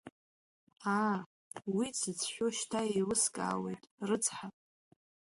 Аа, уи дзыцәшәо шьҭа еилыскаауеит, рыцҳа.